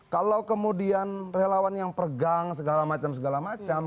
kalau kemudian relawan yang pergang segala macam segala macam